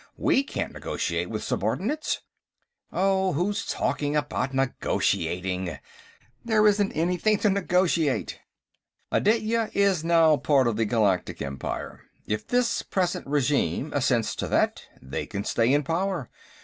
"We can't negotiate with subordinates." "Oh, who's talking about negotiating; there isn't anything to negotiate. Aditya is now a part of the Galactic Empire. If this present regime assents to that, they can stay in power.